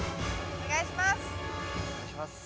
お願いします。